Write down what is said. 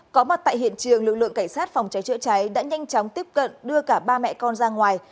có mặt tại hiện trường lực lượng cảnh sát phòng cháy chữa cháy đã nhanh chóng tiếp cận đưa cả ba mẹ con ra ngoài